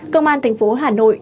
công an thành phố hà nội